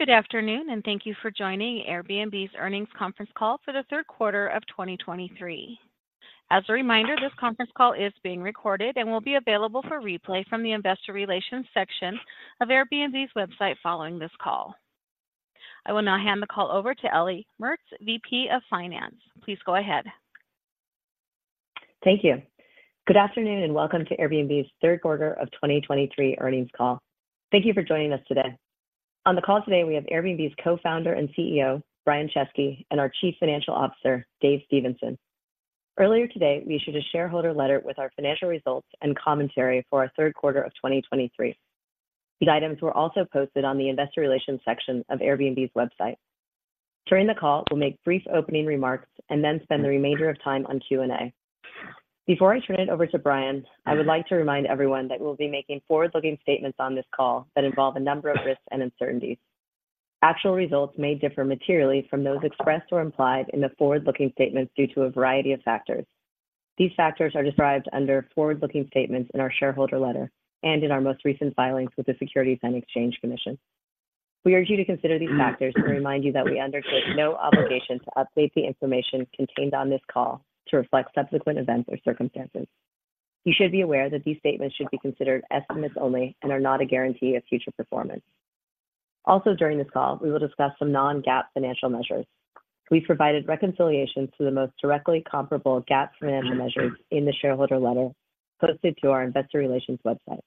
Good afternoon, and thank you for joining Airbnb's earnings conference call for the third quarter of 2023. As a reminder, this conference call is being recorded and will be available for replay from the Investor Relations section of Airbnb's website following this call. I will now hand the call over to Ellie Mertz, VP of Finance. Please go ahead. Thank you. Good afternoon, and welcome to Airbnb's third quarter of 2023 earnings call. Thank you for joining us today. On the call today, we have Airbnb's Co-founder and CEO, Brian Chesky, and our Chief Financial Officer, Dave Stephenson. Earlier today, we issued a shareholder letter with our financial results and commentary for our third quarter of 2023. These items were also posted on the Investor Relations section of Airbnb's website. During the call, we'll make brief opening remarks and then spend the remainder of time on Q&A. Before I turn it over to Brian, I would like to remind everyone that we'll be making forward-looking statements on this call that involve a number of risks and uncertainties. Actual results may differ materially from those expressed or implied in the forward-looking statements due to a variety of factors. These factors are described under forward-looking statements in our shareholder letter and in our most recent filings with the Securities and Exchange Commission. We urge you to consider these factors and remind you that we undertake no obligation to update the information contained on this call to reflect subsequent events or circumstances. You should be aware that these statements should be considered estimates only and are not a guarantee of future performance. Also, during this call, we will discuss some non-GAAP financial measures. We provided reconciliations to the most directly comparable GAAP financial measures in the shareholder letter posted to our Investor Relations website.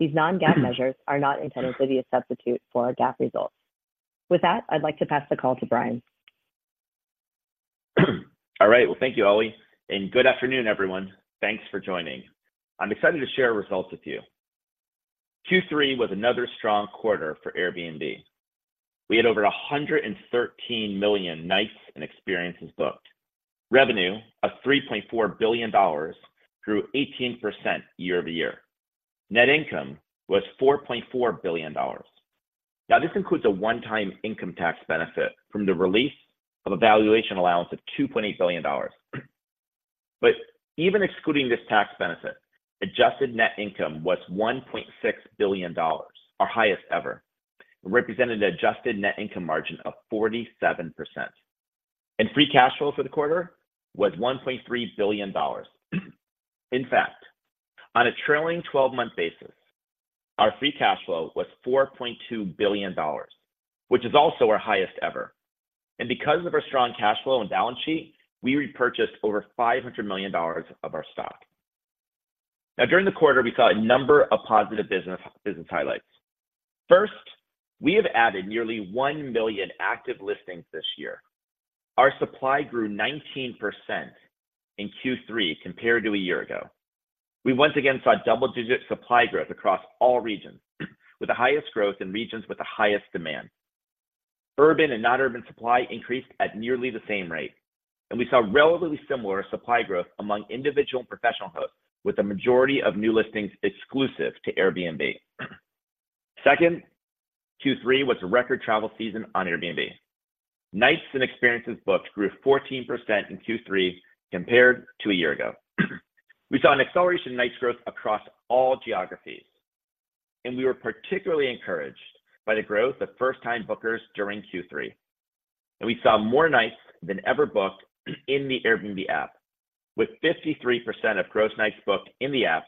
These non-GAAP measures are not intended to be a substitute for our GAAP results. With that, I'd like to pass the call to Brian. All right, well, thank you, Ellie, and good afternoon, everyone. Thanks for joining. I'm excited to share our results with you. Q3 was another strong quarter for Airbnb. We had over 113 million nights and experiences booked. Revenue of $3.4 billion grew 18% year-over-year. Net income was $4.4 billion. Now, this includes a one-time income tax benefit from the release of a valuation allowance of $2.8 billion. But even excluding this tax benefit, adjusted net income was $1.6 billion, our highest ever, and represented an adjusted net income margin of 47%. And free cash flow for the quarter was $1.3 billion. In fact, on a trailing twelve-month basis, our free cash flow was $4.2 billion, which is also our highest ever. Because of our strong cash flow and balance sheet, we repurchased over $500 million of our stock. Now, during the quarter, we saw a number of positive business highlights. First, we have added nearly 1 million active listings this year. Our supply grew 19% in Q3 compared to a year ago. We once again saw double-digit supply growth across all regions, with the highest growth in regions with the highest demand. Urban and non-urban supply increased at nearly the same rate, and we saw relatively similar supply growth among individual and professional hosts, with the majority of new listings exclusive to Airbnb. Second, Q3 was a record travel season on Airbnb. Nights and experiences booked grew 14% in Q3 compared to a year ago. We saw an acceleration in nights growth across all geographies, and we were particularly encouraged by the growth of first-time bookers during Q3. We saw more nights than ever booked in the Airbnb app, with 53% of gross nights booked in the app,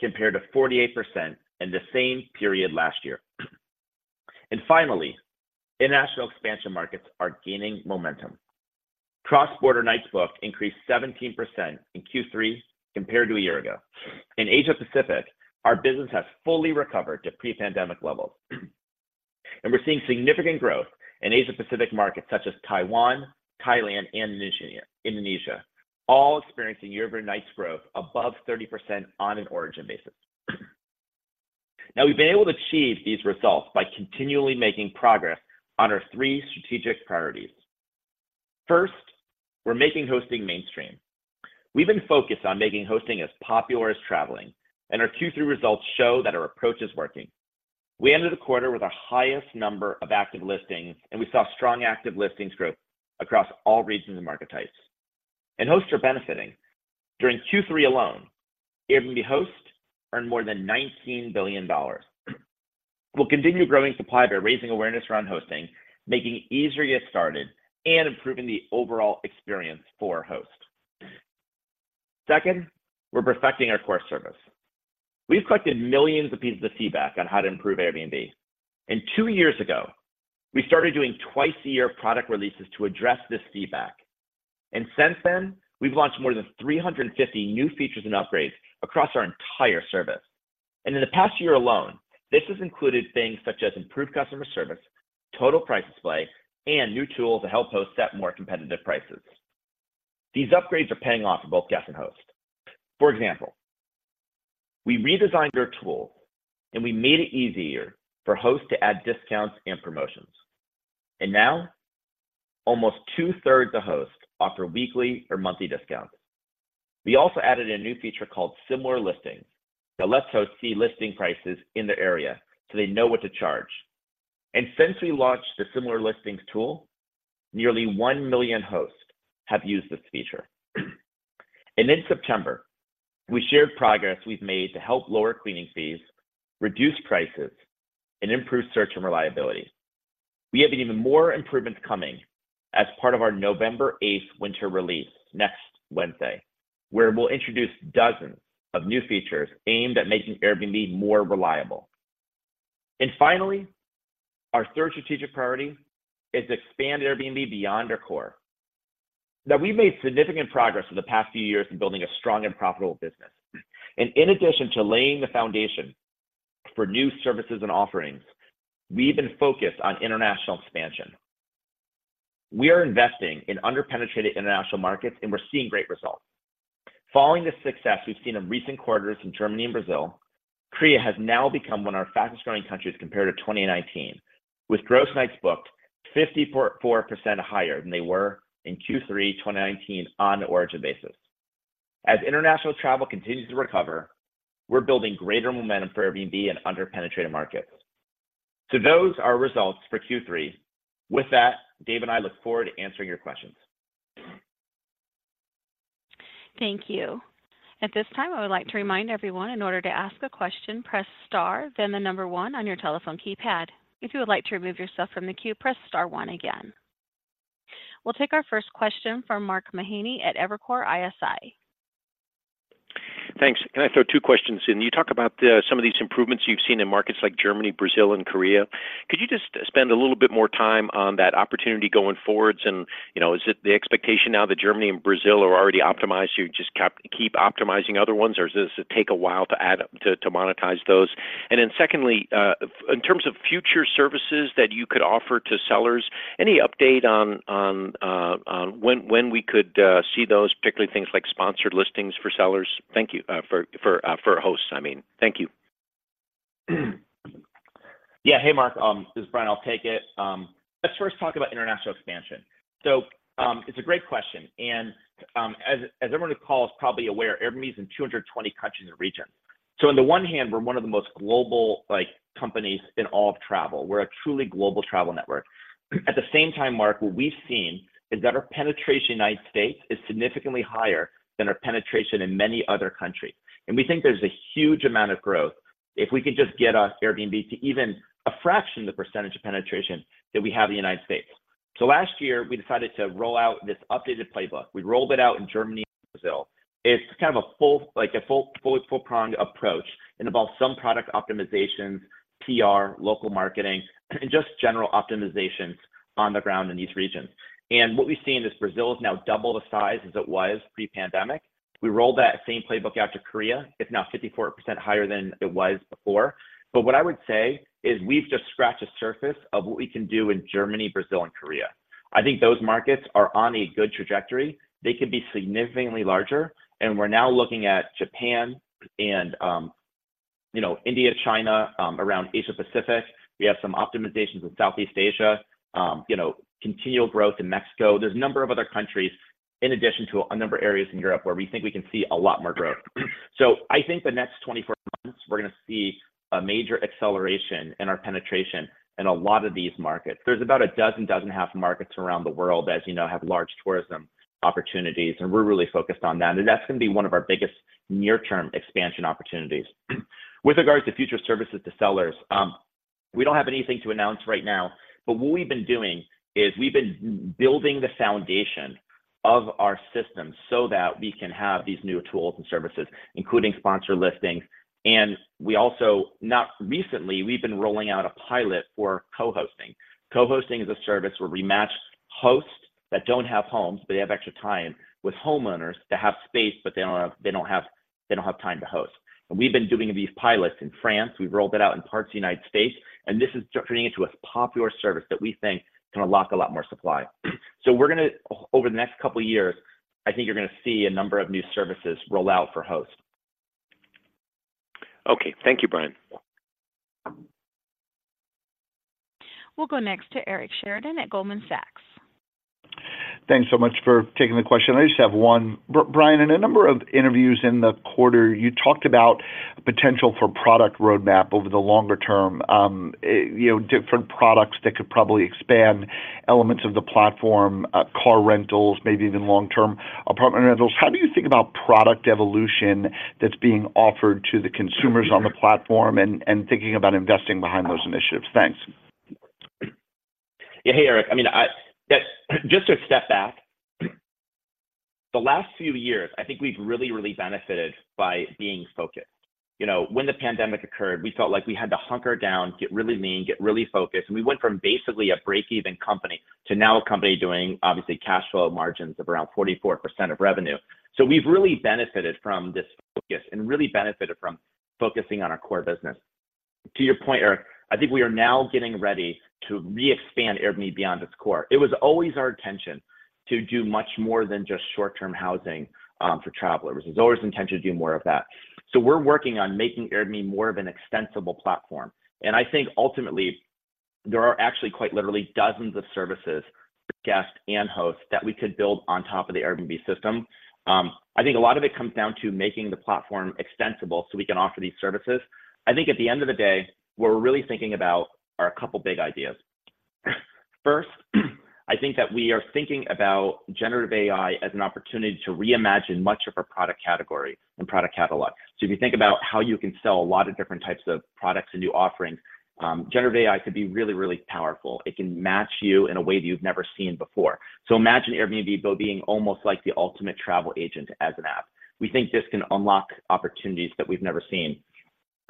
compared to 48% in the same period last year. Finally, international expansion markets are gaining momentum. Cross-border nights booked increased 17% in Q3 compared to a year ago. In Asia-Pacific, our business has fully recovered to pre-pandemic levels, and we're seeing significant growth in Asia-Pacific markets such as Taiwan, Thailand, and Indonesia, all experiencing year-over-year growth above 30% on an origin basis. Now, we've been able to achieve these results by continually making progress on our three strategic priorities. First, we're making hosting mainstream. We've been focused on making hosting as popular as traveling, and our Q3 results show that our approach is working. We ended the quarter with our highest number of active listings, and we saw strong active listings growth across all regions and market types. Hosts are benefiting. During Q3 alone, Airbnb hosts earned more than $19 billion. We'll continue growing supply by raising awareness around hosting, making it easier to get started, and improving the overall experience for hosts. Second, we're perfecting our core service. We've collected millions of pieces of feedback on how to improve Airbnb, and two years ago, we started doing twice-a-year product releases to address this feedback. Since then, we've launched more than 350 new features and upgrades across our entire service. In the past year alone, this has included things such as improved customer service, total price display, and new tools to help hosts set more competitive prices. These upgrades are paying off for both guests and hosts. For example, we redesigned our tool, and we made it easier for hosts to add discounts and promotions. And now, almost two-thirds of hosts offer weekly or monthly discounts. We also added a new feature called Similar Listings that lets hosts see listing prices in their area, so they know what to charge. And since we launched the Similar Listings tool, nearly 1 million hosts have used this feature.... And in September, we shared progress we've made to help lower cleaning fees, reduce prices, and improve search and reliability. We have even more improvements coming as part of our November 8 Winter Release next Wednesday, where we'll introduce dozens of new features aimed at making Airbnb more reliable. And finally, our third strategic priority is expand Airbnb beyond our core. Now, we've made significant progress in the past few years in building a strong and profitable business, and in addition to laying the foundation for new services and offerings, we've been focused on international expansion. We are investing in under-penetrated international markets, and we're seeing great results. Following the success we've seen in recent quarters in Germany and Brazil, Korea has now become one of our fastest-growing countries compared to 2019, with gross nights booked 54.4% higher than they were in Q3 2019, on an origin basis. As international travel continues to recover, we're building greater momentum for Airbnb in under-penetrated markets. Those are results for Q3. With that, Dave and I look forward to answering your questions. Thank you. At this time, I would like to remind everyone, in order to ask a question, press Star, then the number 1 on your telephone keypad. If you would like to remove yourself from the queue, press Star 1 again. We'll take our first question from Mark Mahaney at Evercore ISI. Thanks. Can I throw two questions in? You talk about some of these improvements you've seen in markets like Germany, Brazil, and Korea. Could you just spend a little bit more time on that opportunity going forwards? And, you know, is it the expectation now that Germany and Brazil are already optimized, you just keep optimizing other ones, or does this take a while to add, to, to monetize those? And then secondly, in terms of future services that you could offer to sellers, any update on when we could see those, particularly things like sponsored listings for sellers? Thank you. For hosts, I mean. Thank you. Yeah, hey, Mark, this is Brian. I'll take it. Let's first talk about international expansion. So, it's a great question, and, as everyone on the call is probably aware, Airbnb is in 220 countries and regions. So on the one hand, we're one of the most global, like, companies in all of travel. We're a truly global travel network. At the same time, Mark, what we've seen is that our penetration in the United States is significantly higher than our penetration in many other countries, and we think there's a huge amount of growth if we could just get, us, Airbnb, to even a fraction of the percentage of penetration that we have in the United States. So last year, we decided to roll out this updated playbook. We rolled it out in Germany and Brazil. It's kind of a full, like, a full, full four-pronged approach. It involves some product optimizations, PR, local marketing, and just general optimizations on the ground in these regions. And what we've seen is Brazil is now double the size as it was pre-pandemic. We rolled that same playbook out to Korea. It's now 54% higher than it was before. But what I would say is we've just scratched the surface of what we can do in Germany, Brazil, and Korea. I think those markets are on a good trajectory. They could be significantly larger, and we're now looking at Japan and, you know, India, China, around Asia-Pacific. We have some optimizations in Southeast Asia, you know, continual growth in Mexico. There's a number of other countries in addition to a number of areas in Europe where we think we can see a lot more growth. So I think the next 24 months, we're gonna see a major acceleration in our penetration in a lot of these markets. There's about a dozen, dozen and a half markets around the world, as you know, have large tourism opportunities, and we're really focused on that. And that's gonna be one of our biggest near-term expansion opportunities. With regards to future services to sellers, we don't have anything to announce right now, but what we've been doing is we've been building the foundation of our system so that we can have these new tools and services, including sponsored listings. And we also... Not recently, we've been rolling out a pilot for co-hosting. Co-hosting is a service where we match hosts that don't have homes, but they have extra time, with homeowners that have space, but they don't have time to host. We've been doing these pilots in France. We've rolled it out in parts of the United States, and this is turning into a popular service that we think can unlock a lot more supply. We're gonna, over the next couple of years, I think you're gonna see a number of new services roll out for hosts. Okay. Thank you, Brian. We'll go next to Eric Sheridan at Goldman Sachs. Thanks so much for taking the question. I just have one. Brian, in a number of interviews in the quarter, you talked about potential for product roadmap over the longer term, you know, different products that could probably expand elements of the platform, car rentals, maybe even long-term apartment rentals. How do you think about product evolution that's being offered to the consumers on the platform and, and thinking about investing behind those initiatives? Thanks. Yeah. Hey, Eric. I mean, yeah, just to step back, the last few years, I think we've really, really benefited by being focused. You know, when the pandemic occurred, we felt like we had to hunker down, get really lean, get really focused, and we went from basically a break-even company to now a company doing, obviously, cash flow margins of around 44% of revenue. So we've really benefited from this focus and really benefited from focusing on our core business. To your point, Eric, I think we are now getting ready to re-expand Airbnb beyond its core. It was always our intention to do much more than just short-term housing for travelers. It was always intention to do more of that. So we're working on making Airbnb more of an extensible platform, and I think ultimately, there are actually, quite literally, dozens of services for guests and hosts that we could build on top of the Airbnb system. I think a lot of it comes down to making the platform extensible, so we can offer these services. I think at the end of the day, what we're really thinking about are a couple big ideas... First, I think that we are thinking about generative AI as an opportunity to reimagine much of our product category and product catalog. So if you think about how you can sell a lot of different types of products and new offerings, generative AI could be really, really powerful. It can match you in a way that you've never seen before. So imagine Airbnb being almost like the ultimate travel agent as an app. We think this can unlock opportunities that we've never seen.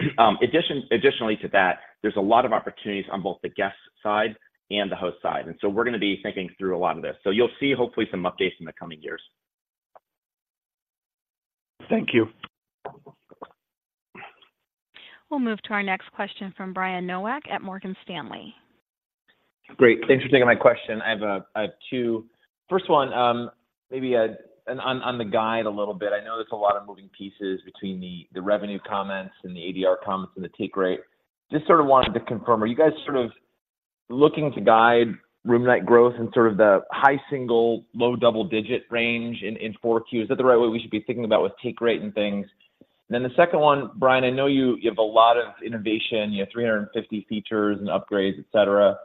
Additionally to that, there's a lot of opportunities on both the guest side and the host side, and so we're gonna be thinking through a lot of this. So you'll see, hopefully, some updates in the coming years. Thank you. We'll move to our next question from Brian Nowak at Morgan Stanley. Great. Thanks for taking my question. I have a two— First one, maybe on the guide a little bit. I know there's a lot of moving pieces between the revenue comments and the ADR comments and the take rate. Just sort of wanted to confirm, are you guys sort of looking to guide room night growth in sort of the high single, low double-digit range in four Q? Is that the right way we should be thinking about with take rate and things? Then the second one, Brian, I know you have a lot of innovation. You have 350 features and upgrades, et cetera.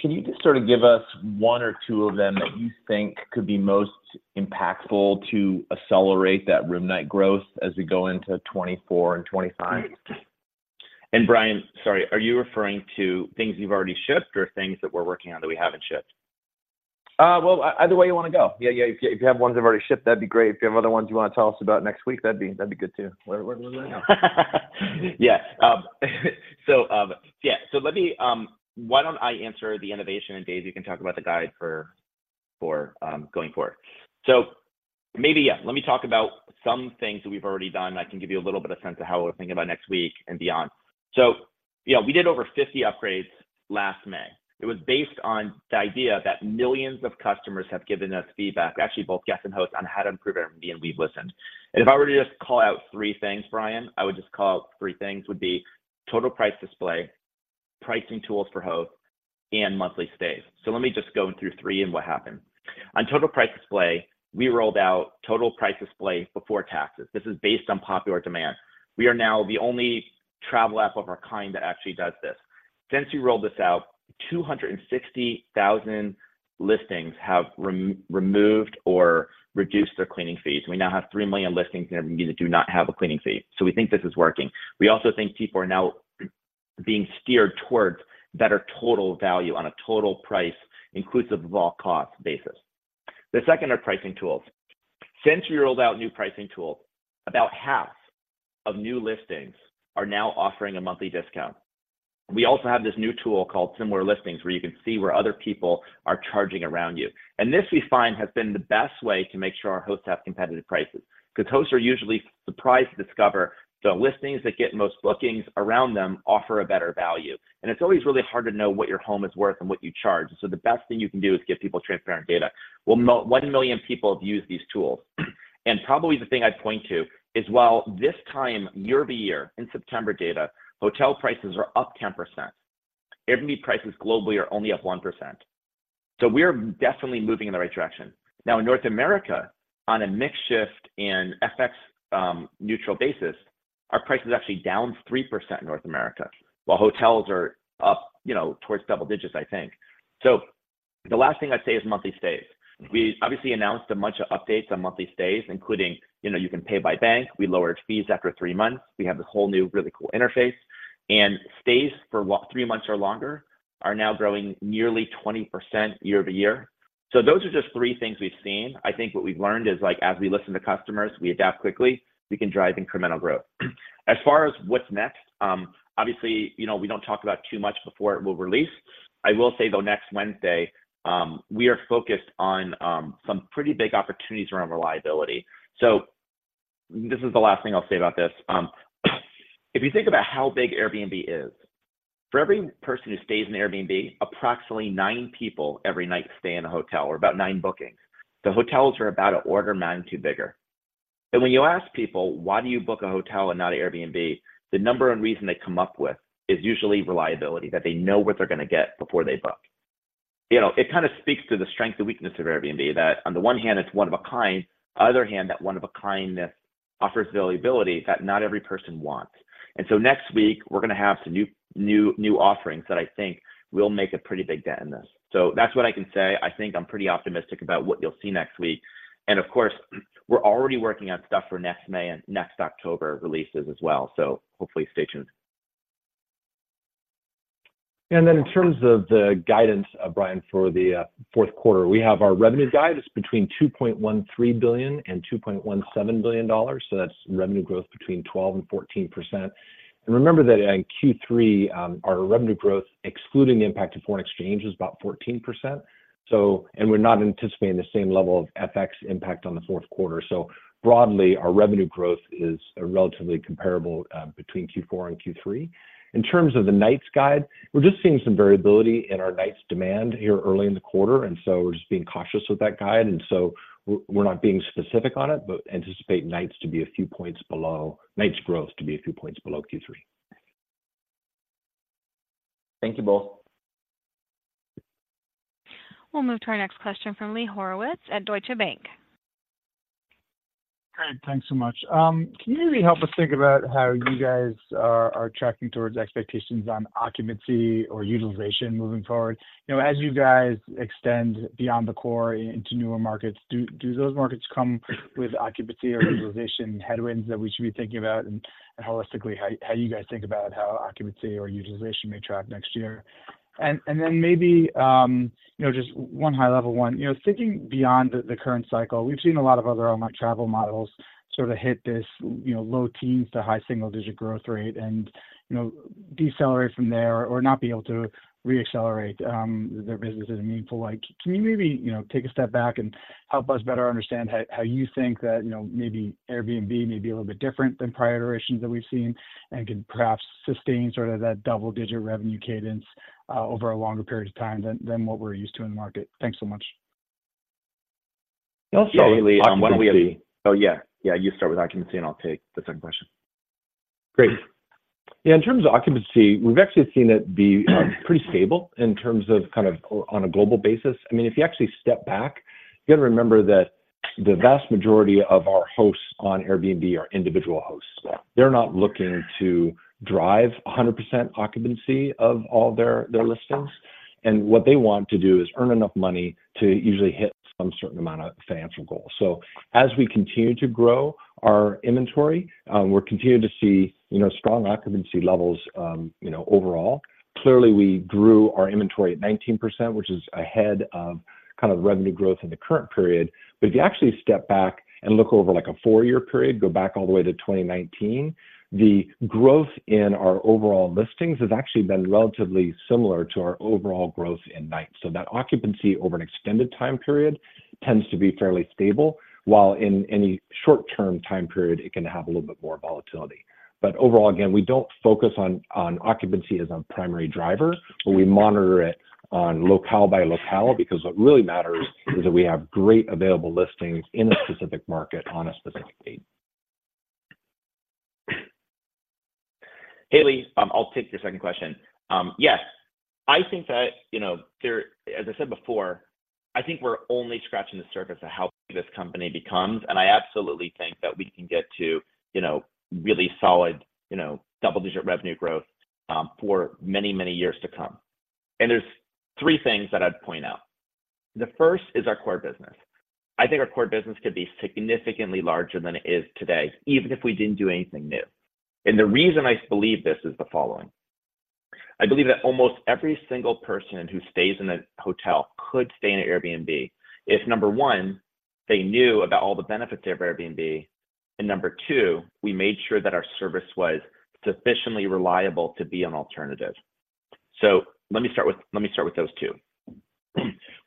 Can you just sort of give us one or two of them that you think could be most impactful to accelerate that room night growth as we go into 2024 and 2025? Brian, sorry, are you referring to things you've already shipped or things that we're working on that we haven't shipped? Well, either way you wanna go. Yeah, yeah, if you have ones that have already shipped, that'd be great. If you have other ones you wanna tell us about next week, that'd be good, too. Let me know. Yes. So, yeah, so let me... Why don't I answer the innovation, and Dave can talk about the guide for, for, going forward. So maybe, yeah, let me talk about some things that we've already done. I can give you a little bit of sense of how we're thinking about next week and beyond. So, yeah, we did over 50 upgrades last May. It was based on the idea that millions of customers have given us feedback, actually, both guests and hosts, on how to improve Airbnb, and we've listened. And if I were to just call out three things, Brian, I would just call out three things, would be total price display, pricing tools for hosts, and monthly stays. So let me just go through three and what happened. On total price display, we rolled out total price display before taxes. This is based on popular demand. We are now the only travel app of our kind that actually does this. Since we rolled this out, 260,000 listings have removed or reduced their cleaning fees. We now have 3 million listings on Airbnb that do not have a cleaning fee, so we think this is working. We also think people are now being steered towards better total value on a total price, inclusive of all costs, basis. The second are pricing tools. Since we rolled out new pricing tools, about half of new listings are now offering a monthly discount. We also have this new tool called Similar Listings, where you can see where other people are charging around you. This, we find, has been the best way to make sure our hosts have competitive prices, because hosts are usually surprised to discover the listings that get most bookings around them offer a better value. It's always really hard to know what your home is worth and what you charge, so the best thing you can do is give people transparent data. Well, 1 million people have used these tools. Probably the thing I'd point to is, while this time, year-over-year, in September data, hotel prices are up 10%. Airbnb prices globally are only up 1%, so we are definitely moving in the right direction. Now, in North America, on a mix shift and FX neutral basis, our price is actually down 3% in North America, while hotels are up, you know, towards double digits, I think. So the last thing I'd say is monthly stays. We obviously announced a bunch of updates on monthly stays, including, you know, you can pay by bank, we lowered fees after three months, we have this whole new really cool interface. And stays for three months or longer are now growing nearly 20% year-over-year. So those are just three things we've seen. I think what we've learned is, like, as we listen to customers, we adapt quickly, we can drive incremental growth. As far as what's next, obviously, you know, we don't talk about too much before it will release. I will say, though, next Wednesday, we are focused on some pretty big opportunities around reliability. So this is the last thing I'll say about this. If you think about how big Airbnb is, for every person who stays in an Airbnb, approximately nine people every night stay in a hotel, or about nine bookings. So hotels are about an order of magnitude bigger. And when you ask people: Why do you book a hotel and not an Airbnb? The number and reason they come up with is usually reliability, that they know what they're gonna get before they book. You know, it kind of speaks to the strength and weakness of Airbnb, that on the one hand, it's one of a kind. Other hand, that one-of-a-kindness offers reliability that not every person wants. And so next week, we're gonna have some new offerings that I think will make a pretty big dent in this. So that's what I can say. I think I'm pretty optimistic about what you'll see next week. Of course, we're already working on stuff for next May and next October releases as well. Hopefully, stay tuned. Then in terms of the guidance, Brian, for the fourth quarter, we have our revenue guide. It's between $2.13 billion and $2.17 billion, so that's revenue growth between 12% and 14%. And remember that in Q3, our revenue growth, excluding the impact of foreign exchange, is about 14%. And we're not anticipating the same level of FX impact on the fourth quarter. So broadly, our revenue growth is relatively comparable between Q4 and Q3. In terms of the nights guide, we're just seeing some variability in our nights demand here early in the quarter, and so we're just being cautious with that guide. And so we're not being specific on it, but anticipate nights to be a few points below—nights growth to be a few points below Q3. Thank you both. We'll move to our next question from Lee Horowitz at Deutsche Bank.... Great. Thanks so much. Can you maybe help us think about how you guys are tracking towards expectations on occupancy or utilization moving forward? You know, as you guys extend beyond the core into newer markets, do those markets come with occupancy or utilization headwinds that we should be thinking about? And holistically, how you guys think about how occupancy or utilization may track next year. And then maybe, you know, just one high-level one. You know, thinking beyond the current cycle, we've seen a lot of other online travel models sort of hit this, you know, low teens to high single-digit growth rate and, you know, decelerate from there or not be able to re-accelerate their businesses in a meaningful way. Can you maybe, you know, take a step back and help us better understand how you think that, you know, maybe Airbnb may be a little bit different than prior iterations that we've seen and can perhaps sustain sort of that double-digit revenue cadence over a longer period of time than what we're used to in the market? Thanks so much. Yeah, so occupancy- Yeah, Lee, why don't we... Oh, yeah. Yeah, you start with occupancy, and I'll take the second question. Great. Yeah, in terms of occupancy, we've actually seen it be pretty stable in terms of kind of on a global basis. I mean, if you actually step back, you got to remember that the vast majority of our hosts on Airbnb are individual hosts. They're not looking to drive 100% occupancy of all their, their listings, and what they want to do is earn enough money to usually hit some certain amount of financial goals. So as we continue to grow our inventory, we're continuing to see, you know, strong occupancy levels, you know, overall. Clearly, we grew our inventory at 19%, which is ahead of kind of revenue growth in the current period. But if you actually step back and look over, like, a four-year period, go back all the way to 2019, the growth in our overall listings has actually been relatively similar to our overall growth in nights. So that occupancy over an extended time period tends to be fairly stable, while in any short-term time period, it can have a little bit more volatility. But overall, again, we don't focus on occupancy as our primary driver, but we monitor it on locale by locale, because what really matters is that we have great available listings in a specific market on a specific date. Lee, I'll take the second question. Yes, I think that, you know, as I said before, I think we're only scratching the surface of how big this company becomes, and I absolutely think that we can get to, you know, really solid, you know, double-digit revenue growth, for many, many years to come. And there's three things that I'd point out. The first is our core business. I think our core business could be significantly larger than it is today, even if we didn't do anything new. And the reason I believe this is the following: I believe that almost every single person who stays in a hotel could stay in an Airbnb if, number one, they knew about all the benefits of Airbnb, and number two, we made sure that our service was sufficiently reliable to be an alternative. So let me start with, let me start with those two.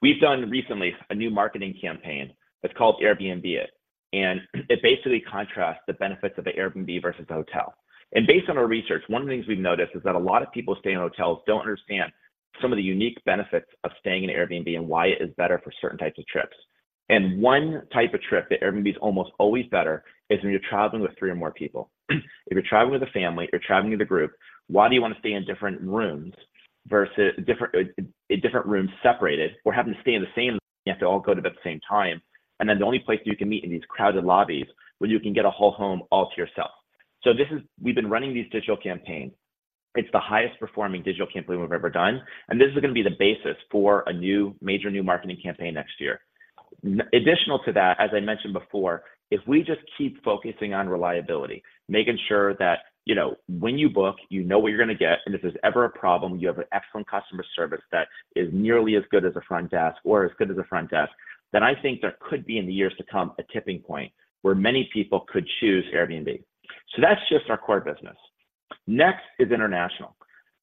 We've done recently a new marketing campaign that's called Airbnb It, and it basically contrasts the benefits of Airbnb versus a hotel. Based on our research, one of the things we've noticed is that a lot of people who stay in hotels don't understand some of the unique benefits of staying in an Airbnb and why it is better for certain types of trips. One type of trip that Airbnb is almost always better is when you're traveling with three or more people. If you're traveling with a family, you're traveling with a group, why do you want to stay in different rooms versus different, in different rooms separated, or having to stay in the same room, you have to all go to bed at the same time, and then the only place you can meet in these crowded lobbies when you can get a whole home all to yourself? So this is. We've been running these digital campaigns. It's the highest performing digital campaign we've ever done, and this is going to be the basis for a new, major new marketing campaign next year. In addition to that, as I mentioned before, if we just keep focusing on reliability, making sure that, you know, when you book, you know what you're going to get, and if there's ever a problem, you have an excellent customer service that is nearly as good as a front desk or as good as a front desk, then I think there could be, in the years to come, a tipping point where many people could choose Airbnb. So that's just our core business. Next is international.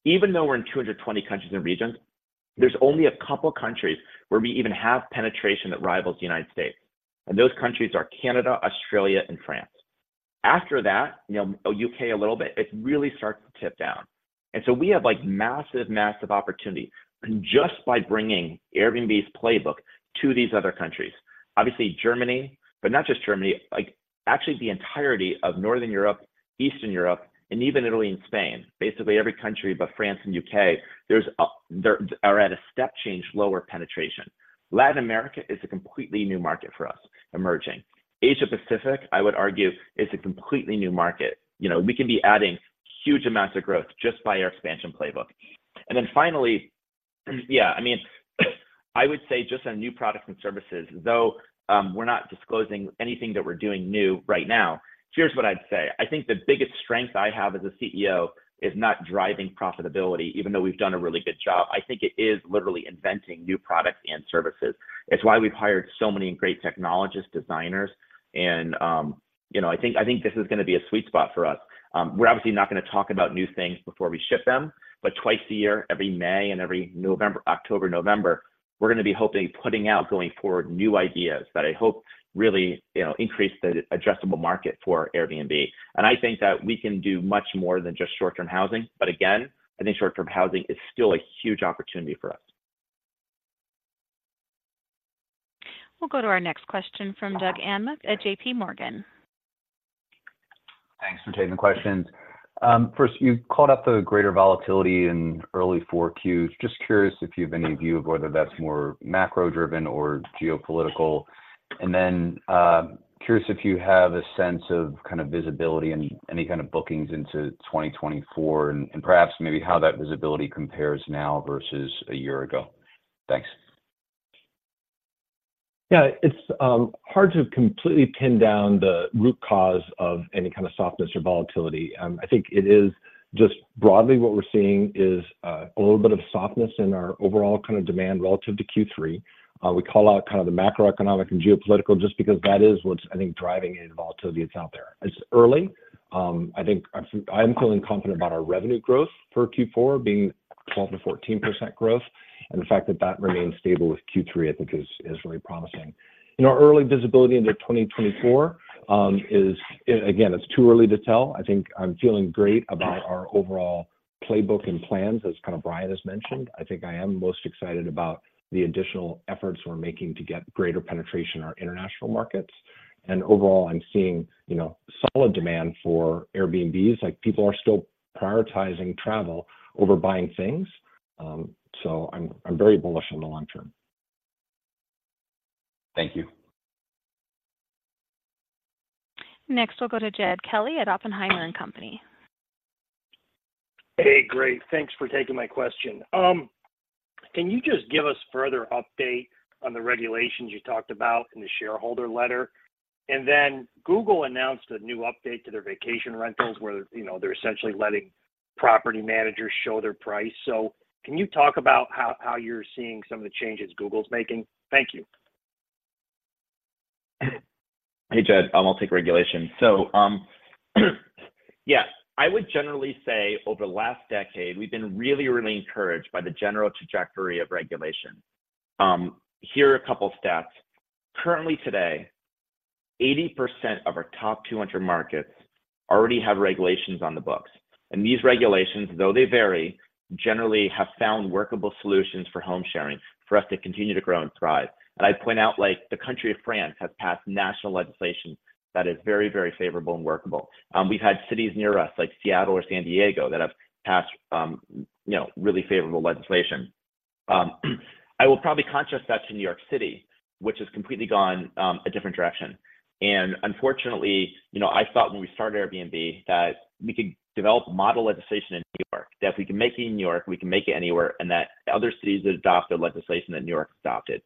Even though we're in 220 countries and regions, there's only a couple of countries where we even have penetration that rivals the United States, and those countries are Canada, Australia, and France. After that, you know, U.K. a little bit, it really starts to tip down. And so we have, like, massive, massive opportunity, and just by bringing Airbnb's playbook to these other countries. Obviously, Germany, but not just Germany, like, actually, the entirety of Northern Europe, Eastern Europe, and even Italy and Spain, basically every country but France and UK, there's a step change, lower penetration. Latin America is a completely new market for us, emerging. Asia-Pacific, I would argue, is a completely new market. You know, we can be adding huge amounts of growth just by our expansion playbook. And then finally, yeah, I mean, I would say just on new products and services, though, we're not disclosing anything that we're doing new right now. Here's what I'd say: I think the biggest strength I have as a CEO is not driving profitability, even though we've done a really good job. I think it is literally inventing new products and services. It's why we've hired so many great technologists, designers, and, you know, I think, I think this is gonna be a sweet spot for us. We're obviously not gonna talk about new things before we ship them, but twice a year, every May and every November-- October, November, we're gonna be hoping, putting out, going forward, new ideas that I hope really, you know, increase the addressable market for Airbnb. And I think that we can do much more than just short-term housing. But again, I think short-term housing is still a huge opportunity for us. We'll go to our next question from Doug Anmuth at JPMorgan.... Thanks for taking the questions. First, you called out the greater volatility in early fourth quarters. Just curious if you have any view of whether that's more macro-driven or geopolitical? And then, curious if you have a sense of kind of visibility and any kind of bookings into 2024, and, and perhaps maybe how that visibility compares now versus a year ago? Thanks. Yeah, it's hard to completely pin down the root cause of any kind of softness or volatility. I think it is just broadly what we're seeing is a little bit of softness in our overall kind of demand relative to Q3. We call out kind of the macroeconomic and geopolitical, just because that is what's, I think, driving any volatility that's out there. It's early. I think I'm feeling confident about our revenue growth for Q4 being 12%-14% growth, and the fact that that remains stable with Q3, I think is really promising. In our early visibility into 2024 is, again, it's too early to tell. I think I'm feeling great about our overall playbook and plans, as kind of Brian has mentioned. I think I am most excited about the additional efforts we're making to get greater penetration in our international markets. Overall, I'm seeing, you know, solid demand for Airbnbs. Like, people are still prioritizing travel over buying things, so I'm very bullish on the long term. Thank you. Next, we'll go to Jed Kelly at Oppenheimer & Company. Hey, great. Thanks for taking my question. Can you just give us further update on the regulations you talked about in the shareholder letter? And then Google announced a new update to their vacation rentals, where, you know, they're essentially letting property managers show their price. So can you talk about how you're seeing some of the changes Google's making? Thank you. Hey, Jed, I'll take regulation. So, yeah, I would generally say over the last decade, we've been really, really encouraged by the general trajectory of regulation. Here are a couple of stats. Currently today, 80% of our top 200 markets already have regulations on the books, and these regulations, though they vary, generally have found workable solutions for home sharing for us to continue to grow and thrive. And I'd point out, like, the country of France has passed national legislation that is very, very favorable and workable. We've had cities near us, like Seattle or San Diego, that have passed, you know, really favorable legislation. I will probably contrast that to New York City, which has completely gone, a different direction. And unfortunately, you know, I thought when we started Airbnb, that we could develop model legislation in New York. That if we can make it in New York, we can make it anywhere, and that other cities would adopt the legislation that New York adopted.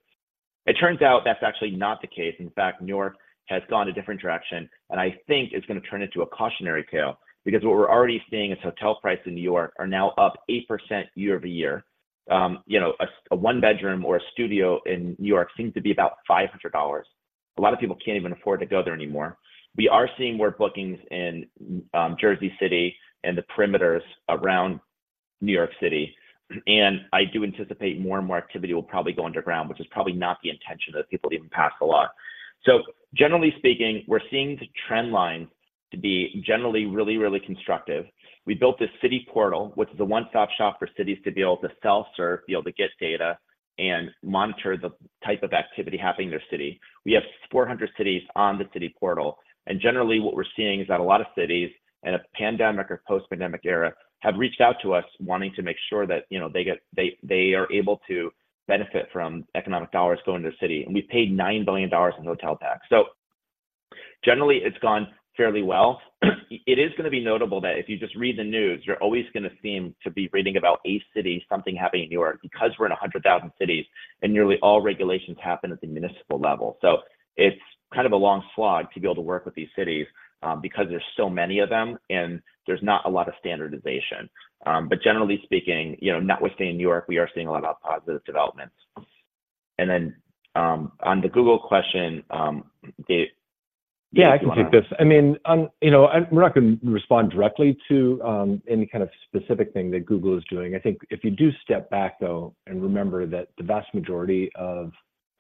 It turns out that's actually not the case. In fact, New York has gone a different direction, and I think it's gonna turn into a cautionary tale because what we're already seeing is hotel prices in New York are now up 8% year-over-year. You know, a one bedroom or a studio in New York seems to be about $500. A lot of people can't even afford to go there anymore. We are seeing more bookings in Jersey City and the perimeters around New York City, and I do anticipate more and more activity will probably go underground, which is probably not the intention that people even passed the law. So generally speaking, we're seeing the trend line to be generally really, really constructive. We built this city portal, which is a one-stop shop for cities to be able to self-serve, be able to get data, and monitor the type of activity happening in their city. We have 400 cities on the city portal, and generally, what we're seeing is that a lot of cities, in a pandemic or post-pandemic era, have reached out to us wanting to make sure that, you know, they are able to benefit from economic dollars going to the city, and we've paid $9 billion in hotel tax. So generally, it's gone fairly well. It is gonna be notable that if you just read the news, you're always gonna seem to be reading about a city, something happening in New York, because we're in 100,000 cities, and nearly all regulations happen at the municipal level. So it's kind of a long slog to be able to work with these cities, because there's so many of them, and there's not a lot of standardization. But generally speaking, you know, notwithstanding New York, we are seeing a lot of positive developments. And then, on the Google question, it- Yeah, I can take this. I mean, you know, and we're not gonna respond directly to any kind of specific thing that Google is doing. I think if you do step back, though, and remember that the vast majority of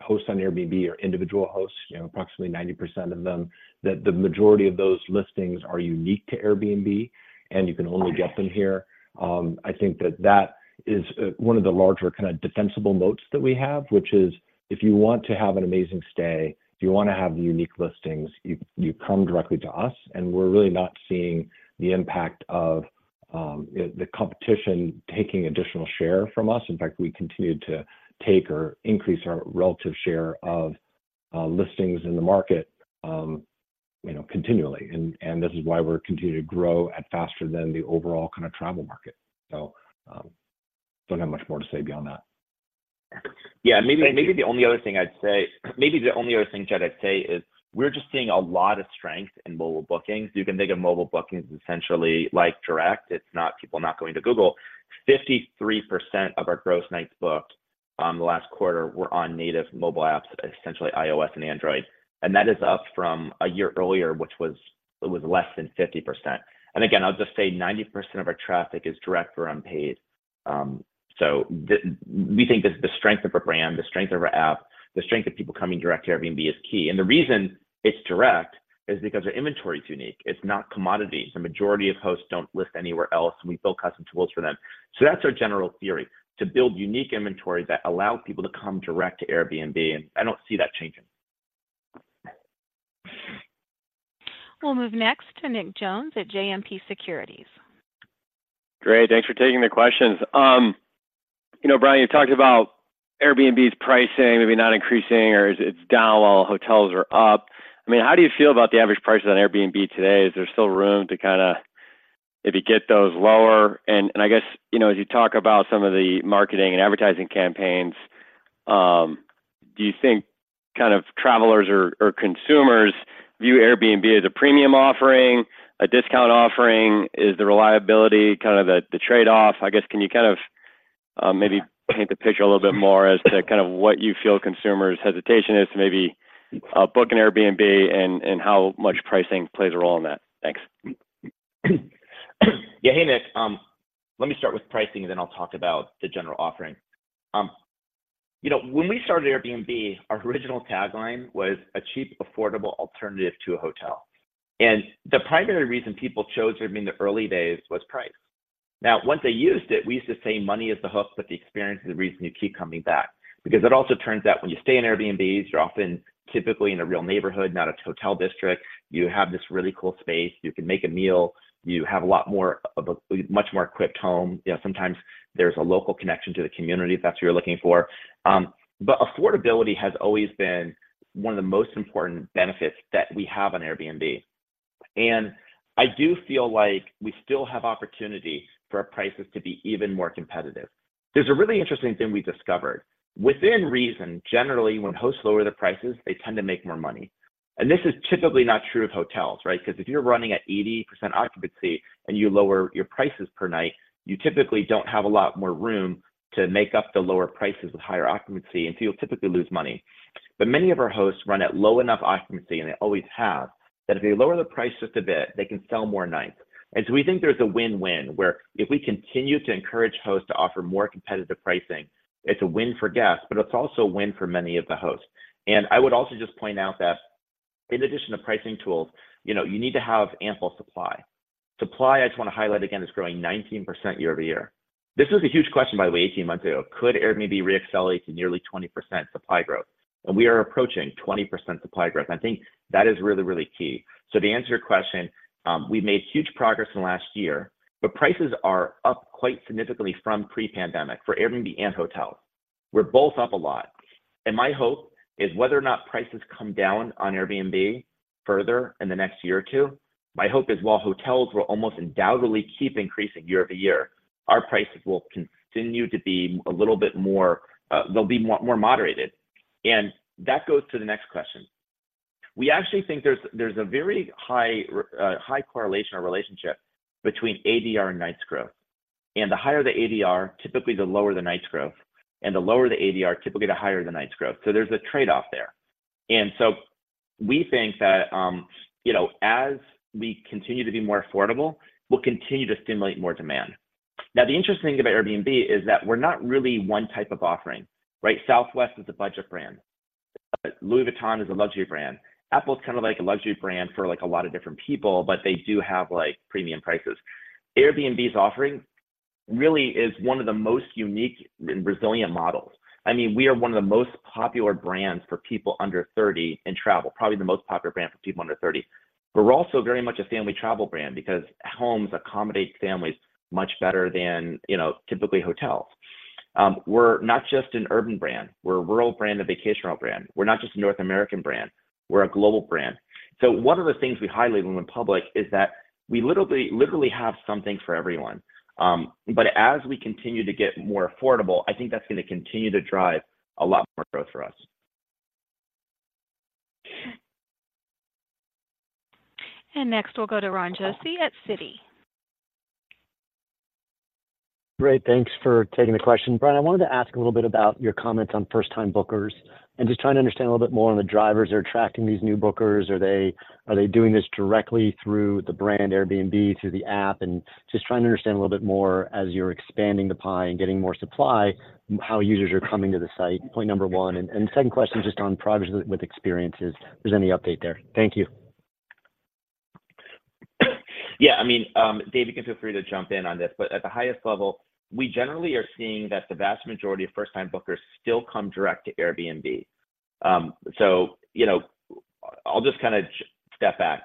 hosts on Airbnb are individual hosts, you know, approximately 90% of them, that the majority of those listings are unique to Airbnb, and you can only get them here. I think that that is one of the larger kind of defensible moats that we have, which is, if you want to have an amazing stay, if you want to have unique listings, you, you come directly to us, and we're really not seeing the impact of the, the competition taking additional share from us. In fact, we continued to take or increase our relative share of listings in the market, you know, continually, and this is why we're continuing to grow at faster than the overall kind of travel market. So, don't have much more to say beyond that. Yeah, maybe- Thank you. Maybe the only other thing, Jed, I'd say is we're just seeing a lot of strength in mobile bookings. You can think of mobile bookings essentially like direct. It's not people not going to Google. 53% of our gross nights booked on the last quarter were on native mobile apps, essentially iOS and Android, and that is up from a year earlier, which was, it was less than 50%. And again, I'll just say 90% of our traffic is direct or unpaid. So we think the strength of our brand, the strength of our app, the strength of people coming direct to Airbnb is key. And the reason it's direct is because our inventory is unique. It's not commodity. The majority of hosts don't list anywhere else, and we build custom tools for them. That's our general theory: to build unique inventory that allows people to come direct to Airbnb, and I don't see that changing.... We'll move next to Nick Jones at JMP Securities. Great, thanks for taking the questions. You know, Brian, you talked about Airbnb's pricing maybe not increasing, or it's down while hotels are up. I mean, how do you feel about the average prices on Airbnb today? Is there still room to kinda maybe get those lower? And I guess, you know, as you talk about some of the marketing and advertising campaigns, do you think kind of travelers or consumers view Airbnb as a premium offering, a discount offering? Is the reliability kind of the trade-off? I guess, can you kind of maybe paint the picture a little bit more as to kind of what you feel consumers' hesitation is to maybe book an Airbnb, and how much pricing plays a role in that? Thanks. Yeah, hey, Nick. Let me start with pricing, and then I'll talk about the general offering. You know, when we started Airbnb, our original tagline was: A cheap, affordable alternative to a hotel. The primary reason people chose Airbnb in the early days was price. Now, once they used it, we used to say, "Money is the hook, but the experience is the reason you keep coming back." Because it also turns out, when you stay in Airbnbs, you're often typically in a real neighborhood, not a hotel district. You have this really cool space. You can make a meal. You have a lot more of a, much more equipped home. You know, sometimes there's a local connection to the community, if that's what you're looking for. But affordability has always been one of the most important benefits that we have on Airbnb, and I do feel like we still have opportunity for our prices to be even more competitive. There's a really interesting thing we discovered. Within reason, generally, when hosts lower their prices, they tend to make more money, and this is typically not true of hotels, right? Because if you're running at 80% occupancy and you lower your prices per night, you typically don't have a lot more room to make up the lower prices with higher occupancy, and so you'll typically lose money. But many of our hosts run at low enough occupancy, and they always have, that if they lower the price just a bit, they can sell more nights. We think there's a win-win, where if we continue to encourage hosts to offer more competitive pricing, it's a win for guests, but it's also a win for many of the hosts. I would also just point out that in addition to pricing tools, you know, you need to have ample supply. Supply, I just want to highlight again, is growing 19% year-over-year. This was a huge question, by the way, 18 months ago. Could Airbnb reaccelerate to nearly 20% supply growth? We are approaching 20% supply growth, and I think that is really, really key. To answer your question, we've made huge progress in the last year, but prices are up quite significantly from pre-pandemic for Airbnb and hotels. We're both up a lot, and my hope is whether or not prices come down on Airbnb further in the next year or two, my hope is while hotels will almost undoubtedly keep increasing year-over-year, our prices will continue to be a little bit more. They'll be more moderated. And that goes to the next question. We actually think there's a very high correlation or relationship between ADR and nights growth. And the higher the ADR, typically the lower the nights growth, and the lower the ADR, typically the higher the nights growth, so there's a trade-off there. And so we think that, you know, as we continue to be more affordable, we'll continue to stimulate more demand. Now, the interesting thing about Airbnb is that we're not really one type of offering, right? Southwest is a budget brand. Louis Vuitton is a luxury brand. Apple's kind of like a luxury brand for, like, a lot of different people, but they do have, like, premium prices. Airbnb's offering really is one of the most unique and resilient models. I mean, we are one of the most popular brands for people under 30 in travel, probably the most popular brand for people under 30. But we're also very much a family travel brand because homes accommodate families much better than, you know, typically hotels. We're not just an urban brand. We're a rural brand, a vacation rental brand. We're not just a North American brand. We're a global brand. So one of the things we highlighted when we went public is that we literally, literally have something for everyone. As we continue to get more affordable, I think that's going to continue to drive a lot more growth for us. Next, we'll go to Ron Josey at Citi. Great, thanks for taking the question. Brian, I wanted to ask a little bit about your comments on first-time bookers and just trying to understand a little bit more on the drivers that are attracting these new bookers. Are they, are they doing this directly through the brand, Airbnb, through the app? And just trying to understand a little bit more, as you're expanding the pie and getting more supply, how users are coming to the site, point number one. And, and second question, just on progress with experiences, if there's any update there. Thank you. Yeah, I mean, Dave, you can feel free to jump in on this, but at the highest level, we generally are seeing that the vast majority of first-time bookers still come direct to Airbnb. So, you know, I'll just kind of step back.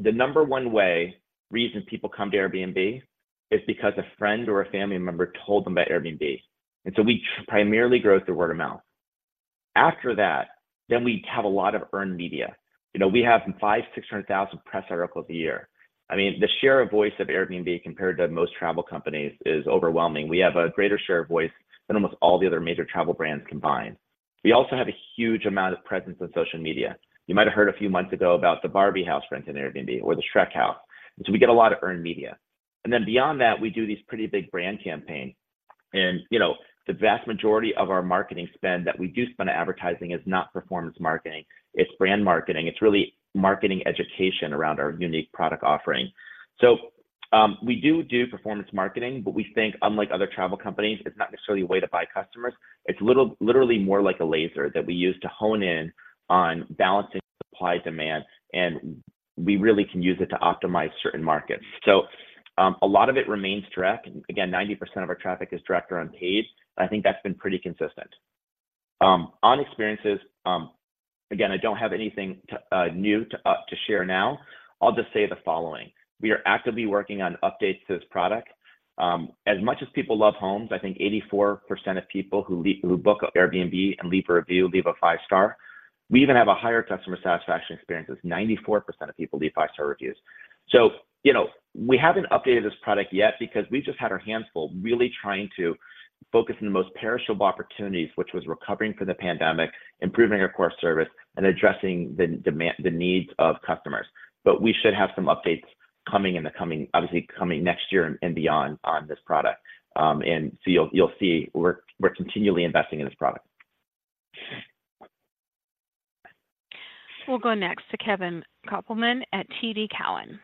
The number one way, reason people come to Airbnb is because a friend or a family member told them about Airbnb, and so we primarily grow through word of mouth. After that, then we have a lot of earned media. You know, we have 500,000-600,000 press articles a year. I mean, the share of voice of Airbnb compared to most travel companies is overwhelming. We have a greater share of voice than almost all the other major travel brands combined. We also have a huge amount of presence on social media. You might have heard a few months ago about the Barbie house rent on Airbnb or the Shrek house, and so we get a lot of earned media. And then beyond that, we do these pretty big brand campaigns. And, you know, the vast majority of our marketing spend that we do spend on advertising is not performance marketing. It's brand marketing. It's really marketing education around our unique product offering. So, we do do performance marketing, but we think, unlike other travel companies, it's not necessarily a way to buy customers. It's literally more like a laser that we use to hone in on balancing supply/demand, and we really can use it to optimize certain markets. So, a lot of it remains direct. Again, 90% of our traffic is direct or unpaid, and I think that's been pretty consistent.... On experiences, again, I don't have anything new to share now. I'll just say the following: We are actively working on updates to this product. As much as people love homes, I think 84% of people who book an Airbnb and leave a review leave a five-star. We even have a higher customer satisfaction experience, as 94% of people leave five-star reviews. You know, we haven't updated this product yet because we've just had our hands full, really trying to focus on the most perishable opportunities, which was recovering from the pandemic, improving our core service, and addressing the needs of customers. We should have some updates coming in the coming—obviously, coming next year and beyond on this product. You'll see we're continually investing in this product. We'll go next to Kevin Kopelman at TD Cowen.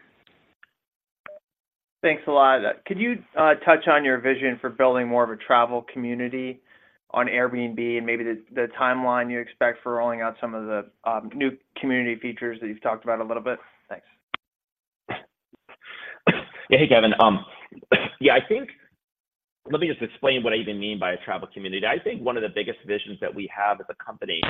Thanks a lot. Could you touch on your vision for building more of a travel community on Airbnb, and maybe the timeline you expect for rolling out some of the new community features that you've talked about a little bit? Thanks. Yeah. Hey, Kevin. Yeah, I think... Let me just explain what I even mean by a travel community. I think one of the biggest visions that we have as a company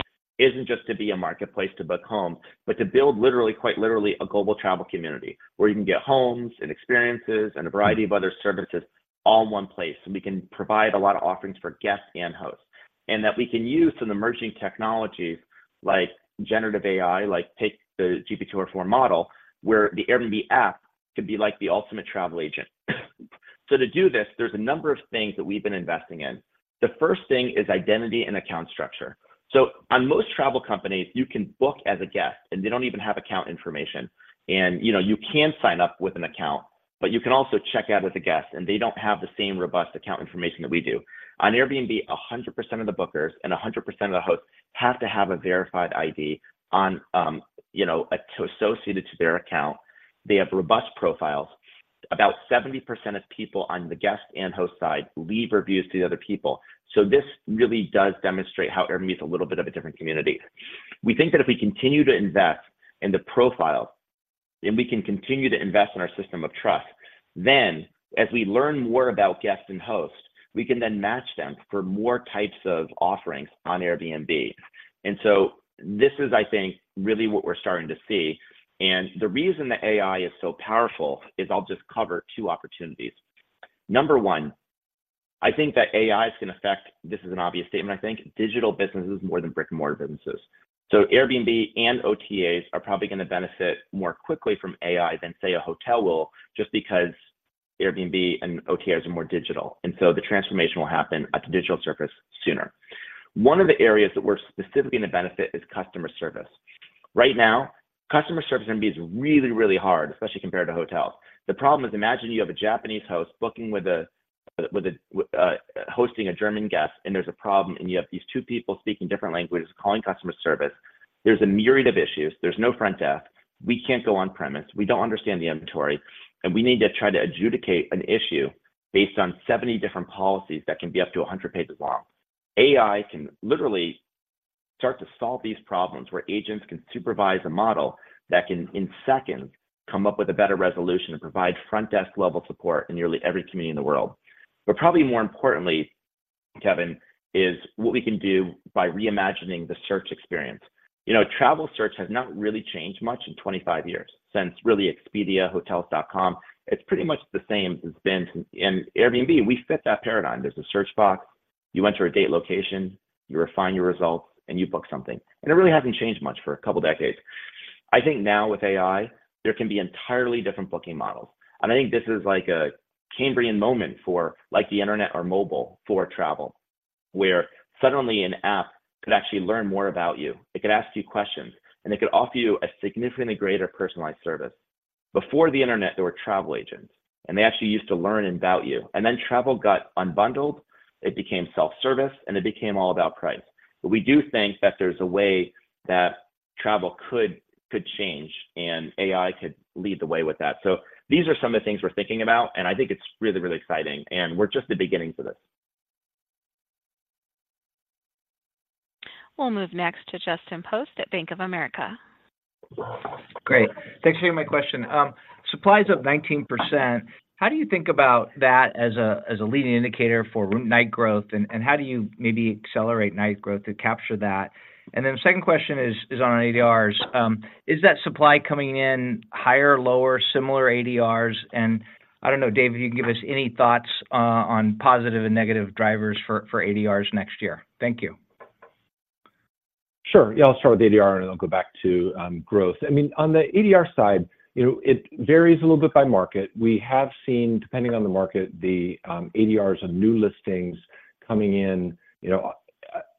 isn't just to be a marketplace to book home, but to build literally, quite literally a global travel community, where you can get homes, and experiences, and a variety of other services all in one place, and we can provide a lot of offerings for guests and hosts. And that we can use some emerging technologies like generative AI, like, take the GPT-4 model, where the Airbnb app could be like the ultimate travel agent. So to do this, there's a number of things that we've been investing in. The first thing is identity and account structure. So on most travel companies, you can book as a guest, and they don't even have account information. You know, you can sign up with an account, but you can also check out with a guest, and they don't have the same robust account information that we do. On Airbnb, 100% of the bookers and 100% of the hosts have to have a verified ID on, you know, to associated to their account. They have robust profiles. About 70% of people on the guest and host side leave reviews to the other people. So this really does demonstrate how Airbnb is a little bit of a different community. We think that if we continue to invest in the profile, and we can continue to invest in our system of trust, then as we learn more about guests and hosts, we can then match them for more types of offerings on Airbnb. This is, I think, really what we're starting to see. The reason the AI is so powerful is I'll just cover two opportunities. Number one, I think that AI is going to affect, this as an obvious statement, I think, digital businesses more than brick-and-mortar businesses. Airbnb and OTAs are probably gonna benefit more quickly from AI than, say, a hotel will, just because Airbnb and OTAs are more digital, and so the transformation will happen at the digital surface sooner. One of the areas that we're specifically going to benefit is customer service. Right now, customer service is going to be really, really hard, especially compared to hotels. The problem is, imagine you have a Japanese host booking with a, with a, with, hosting a German guest, and there's a problem, and you have these two people speaking different languages, calling customer service. There's a myriad of issues. There's no front desk. We can't go on-premise. We don't understand the inventory, and we need to try to adjudicate an issue based on 70 different policies that can be up to 100 pages long. AI can literally start to solve these problems, where agents can supervise a model that can, in seconds, come up with a better resolution and provide front-desk-level support in nearly every community in the world. But probably more importantly, Kevin, is what we can do by reimagining the search experience. You know, travel search has not really changed much in 25 years, since really Expedia, Hotels.com. It's pretty much the same as it's been. In Airbnb, we fit that paradigm. There's a search box, you enter a date, location, you refine your results, and you book something. It really hasn't changed much for a couple decades. I think now with AI, there can be entirely different booking models. I think this is like a Cambrian moment for like the internet or mobile for travel, where suddenly an app could actually learn more about you. It could ask you questions, and it could offer you a significantly greater personalized service. Before the internet, there were travel agents, and they actually used to learn about you. Then travel got unbundled, it became self-service, and it became all about price. But we do think that there's a way that travel could, could change, and AI could lead the way with that. These are some of the things we're thinking about, and I think it's really, really exciting, and we're just the beginning for this. We'll move next to Justin Post at Bank of America. Great. Thanks for taking my question. Supply is up 19%. How do you think about that as a, as a leading indicator for room night growth, and, and how do you maybe accelerate night growth to capture that? And then the second question is, is on ADRs. Is that supply coming in higher, lower, similar ADRs? And I don't know, Dave, if you can give us any thoughts, on positive and negative drivers for, for ADRs next year. Thank you. Sure. Yeah, I'll start with ADR, and then I'll go back to growth. I mean, on the ADR side, you know, it varies a little bit by market. We have seen, depending on the market, the ADRs and new listings coming in, you know,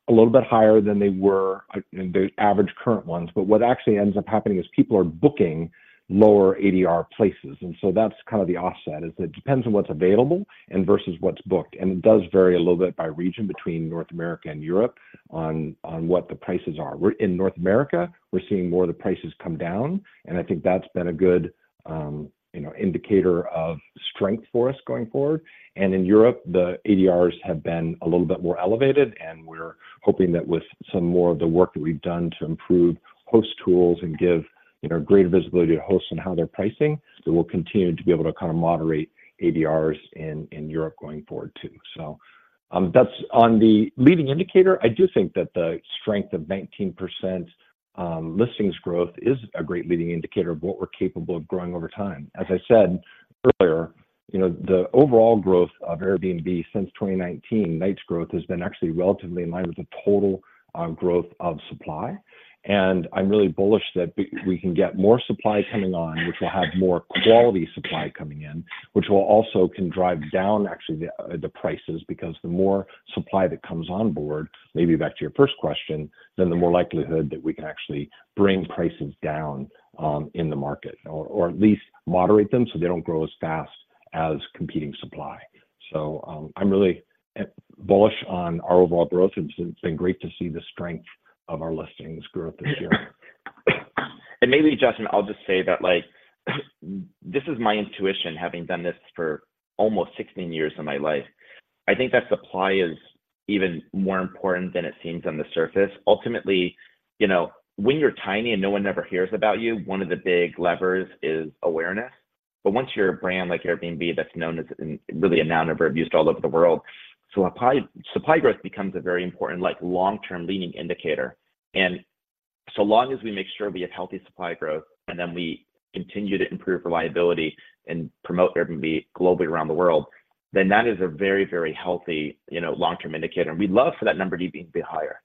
a little bit higher than they were than the average current ones. But what actually ends up happening is people are booking lower ADR places, and so that's kind of the offset, is it depends on what's available and versus what's booked, and it does vary a little bit by region between North America and Europe on what the prices are. We're in North America, we're seeing more of the prices come down, and I think that's been a good, you know, indicator of strength for us going forward. In Europe, the ADRs have been a little bit more elevated, and we're-... hoping that with some more of the work that we've done to improve host tools and give, you know, greater visibility to hosts and how they're pricing, so we'll continue to be able to kind of moderate ADRs in Europe going forward too. So, that's on the leading indicator. I do think that the strength of 19% listings growth is a great leading indicator of what we're capable of growing over time. As I said earlier, you know, the overall growth of Airbnb since 2019, nights growth, has been actually relatively in line with the total growth of supply. And I'm really bullish that we can get more supply coming on, which will have more quality supply coming in, which will also can drive down actually the prices. Because the more supply that comes on board, maybe back to your first question, then the more likelihood that we can actually bring prices down, in the market, or at least moderate them so they don't grow as fast as competing supply. So, I'm really, and bullish on our overall growth. It's been great to see the strength of our listings growth this year. And maybe, Justin, I'll just say that, like, this is my intuition, having done this for almost 16 years of my life. I think that supply is even more important than it seems on the surface. Ultimately, you know, when you're tiny and no one ever hears about you, one of the big levers is awareness. But once you're a brand like Airbnb, that's known as, really a noun or verb used all over the world, so supply growth becomes a very important, like, long-term leading indicator. And so long as we make sure we have healthy supply growth, and then we continue to improve reliability and promote Airbnb globally around the world, then that is a very, very healthy, you know, long-term indicator. And we'd love for that number to be a bit higher.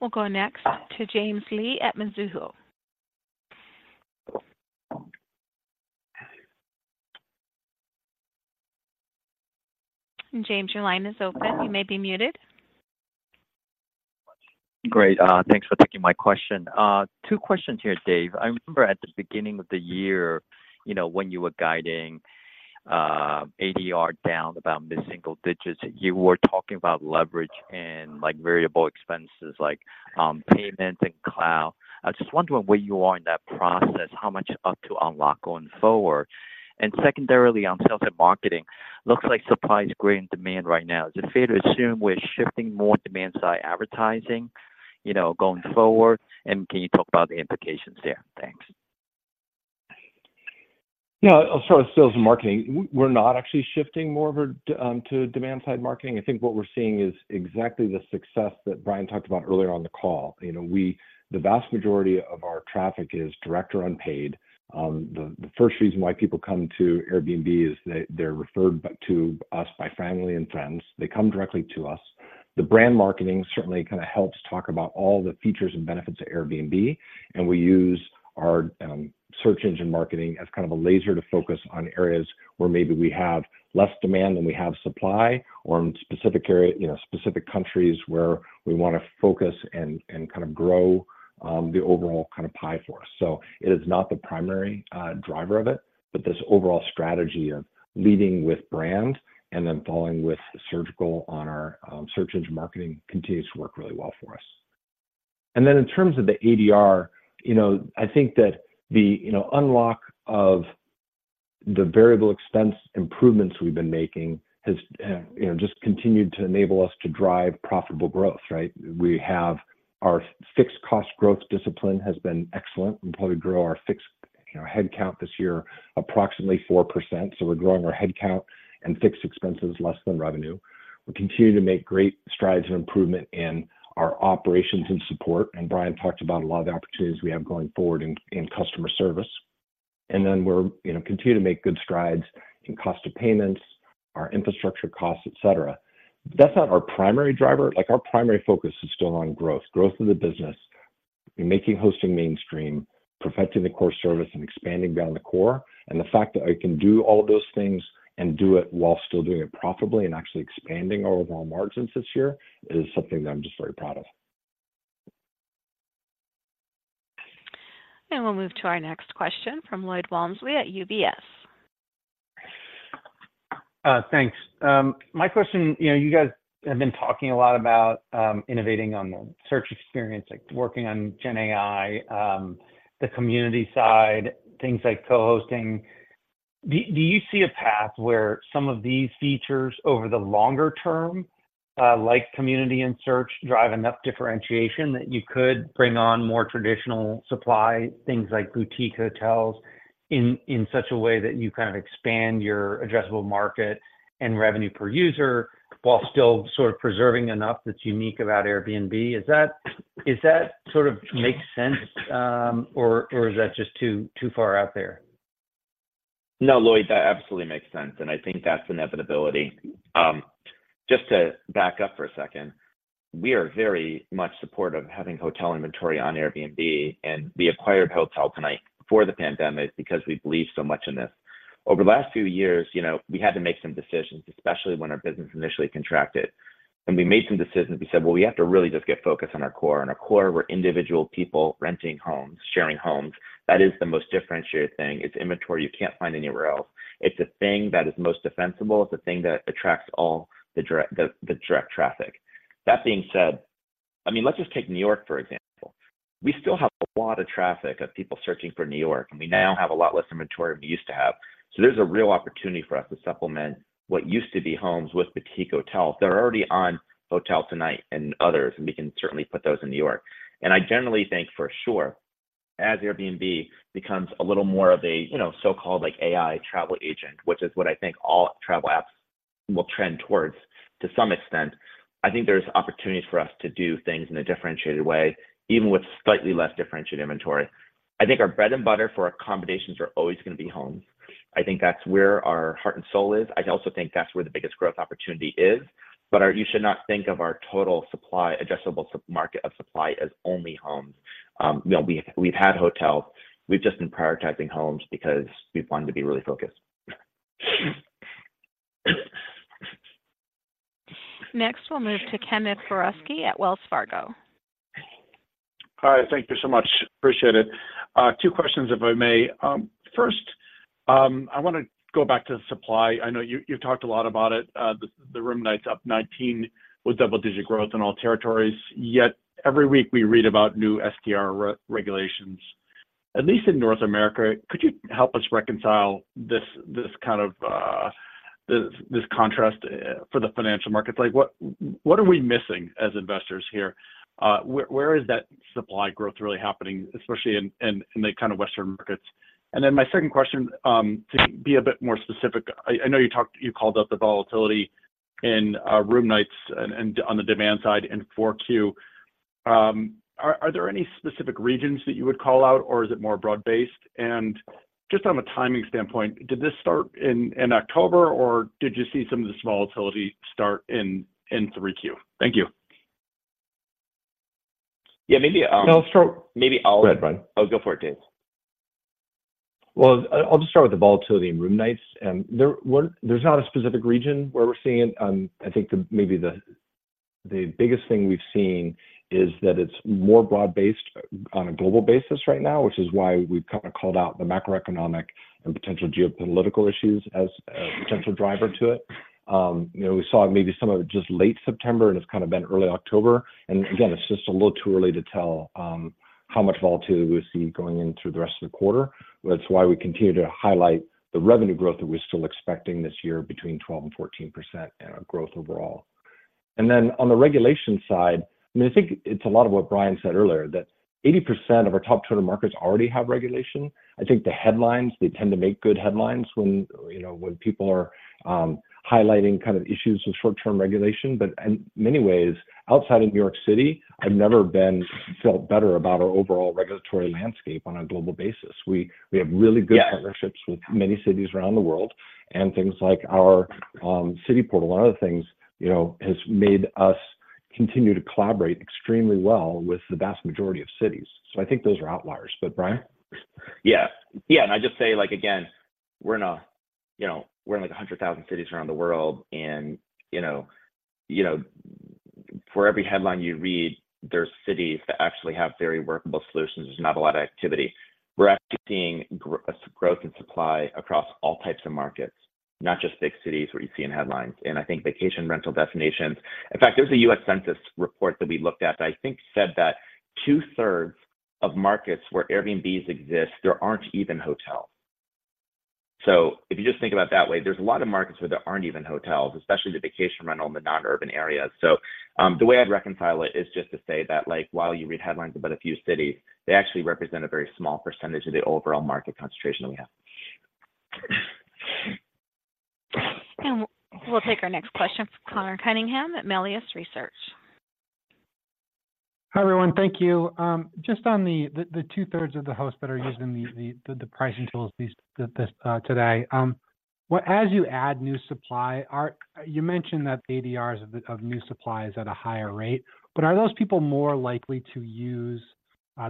We'll go next to James Lee at Mizuho. James, your line is open. You may be muted. Great. Thanks for taking my question. Two questions here, Dave. I remember at the beginning of the year, you know, when you were guiding, ADR down about mid-single digits, you were talking about leverage and, like, variable expenses, like, payments and cloud. I was just wondering where you are in that process, how much up to unlock going forward? And secondarily, on sales and marketing, looks like supply is great in demand right now. Is it fair to assume we're shifting more demand-side advertising, you know, going forward? And can you talk about the implications there? Thanks. Yeah. I'll start with sales and marketing. We're not actually shifting more of our to demand-side marketing. I think what we're seeing is exactly the success that Brian talked about earlier on the call. You know, the vast majority of our traffic is direct or unpaid. The first reason why people come to Airbnb is they're referred back to us by family and friends. They come directly to us. The brand marketing certainly kind of helps talk about all the features and benefits of Airbnb, and we use our search engine marketing as kind of a laser to focus on areas where maybe we have less demand than we have supply, or in specific area, you know, specific countries where we want to focus and kind of grow the overall kind of pie for us. So it is not the primary driver of it, but this overall strategy of leading with brand and then following with surgical on our search engine marketing continues to work really well for us. And then in terms of the ADR, you know, I think that the unlock of the variable expense improvements we've been making has just continued to enable us to drive profitable growth, right? We have our fixed cost growth discipline has been excellent. We probably grow our fixed headcount this year, approximately 4%. So we're growing our headcount and fixed expenses less than revenue. We continue to make great strides and improvement in our operations and support, and Brian talked about a lot of the opportunities we have going forward in customer service. And then we're, you know, continue to make good strides in cost of payments, our infrastructure costs, et cetera. That's not our primary driver. Like, our primary focus is still on growth, growth of the business, making hosting mainstream, perfecting the core service, and expanding beyond the core. And the fact that I can do all of those things and do it while still doing it profitably and actually expanding our overall margins this year is something that I'm just very proud of. We'll move to our next question from Lloyd Walmsley at UBS. Thanks. My question, you know, you guys have been talking a lot about innovating on the search experience, like working on Gen AI, the community side, things like co-hosting. Do you see a path where some of these features over the longer term, like community and search, drive enough differentiation that you could bring on more traditional supply, things like boutique hotels, in such a way that you kind of expand your addressable market and revenue per user while still sort of preserving enough that's unique about Airbnb? Is that sort of makes sense, or is that just too far out there? No, Lloyd, that absolutely makes sense, and I think that's an inevitability. Just to back up for a second, we are very much supportive of having hotel inventory on Airbnb, and we acquired HotelTonight before the pandemic because we believe so much in this. Over the last few years, you know, we had to make some decisions, especially when our business initially contracted. When we made some decisions, we said, well, we have to really just get focused on our core, and our core were individual people renting homes, sharing homes. That is the most differentiated thing. It's inventory you can't find anywhere else. It's a thing that is most defensible. It's a thing that attracts all the direct traffic. That being said, I mean, let's just take New York, for example.... We still have a lot of traffic of people searching for New York, and we now have a lot less inventory than we used to have. So there's a real opportunity for us to supplement what used to be homes with boutique hotels. They're already on HotelTonight and others, and we can certainly put those in New York. And I generally think for sure, as Airbnb becomes a little more of a, you know, so-called like AI travel agent, which is what I think all travel apps will trend towards to some extent, I think there's opportunities for us to do things in a differentiated way, even with slightly less differentiated inventory. I think our bread and butter for accommodations are always gonna be homes. I think that's where our heart and soul is. I also think that's where the biggest growth opportunity is, but you should not think of our total addressable market of supply as only homes. You know, we've had hotels. We've just been prioritizing homes because we've wanted to be really focused. Next, we'll move to Ken Gawrelski at Wells Fargo. Hi, thank you so much. Appreciate it. Two questions, if I may. First, I wanna go back to supply. I know you, you've talked a lot about it. The room nights up 19% with double-digit growth in all territories. Yet every week, we read about new STR regulations. At least in North America, could you help us reconcile this, this kind of, this, this contrast, for the financial markets? Like, what, what are we missing as investors here? Where, where is that supply growth really happening, especially in, in, in the kind of Western markets? And then my second question, to be a bit more specific, I, I know you talked—you called out the volatility in, room nights and, and on the demand side in fourth quarter. Are there any specific regions that you would call out, or is it more broad-based? And just from a timing standpoint, did this start in October, or did you see some of this volatility start in 3Q? Thank you. Yeah, maybe, I'll start- Maybe I'll- Go ahead, Brian. Oh, go for it, Dave. Well, I'll just start with the volatility in room nights. There's not a specific region where we're seeing it. I think maybe the biggest thing we've seen is that it's more broad-based on a global basis right now, which is why we've kind of called out the macroeconomic and potential geopolitical issues as a potential driver to it. You know, we saw maybe some of it just late September, and it's kind of been early October. And again, it's just a little too early to tell how much volatility we'll see going in through the rest of the quarter. That's why we continue to highlight the revenue growth that we're still expecting this year between 12%-14% and our growth overall. Then on the regulation side, I mean, I think it's a lot of what Brian said earlier, that 80% of our top traveler markets already have regulation. I think the headlines, they tend to make good headlines when, you know, when people are highlighting kind of issues with short-term regulation. But in many ways, outside of New York City, I've never felt better about our overall regulatory landscape on a global basis. We have really good- Yeah... partnerships with many cities around the world, and things like our city portal. A lot of the things, you know, has made us continue to collaborate extremely well with the vast majority of cities. So I think those are outliers. But Brian? Yeah. Yeah, and I'd just say, like, again, we're in a, you know, we're in, like, 100,000 cities around the world, and, you know, you know, for every headline you read, there's cities that actually have very workable solutions. There's not a lot of activity. We're actually seeing growth in supply across all types of markets, not just big cities where you see in headlines. And I think vacation rental destinations. In fact, there was a U.S. Census report that we looked at that I think said that two-thirds of markets where Airbnbs exist, there aren't even hotels. So if you just think about it that way, there's a lot of markets where there aren't even hotels, especially the vacation rental in the non-urban areas. The way I'd reconcile it is just to say that, like, while you read headlines about a few cities, they actually represent a very small percentage of the overall market concentration that we have. We'll take our next question from Conor Cunningham at Melius Research. Hi, everyone. Thank you. Just on the two-thirds of the hosts that are using the pricing tools today, as you add new supply, you mentioned that the ADRs of the new supply is at a higher rate, but are those people more likely to use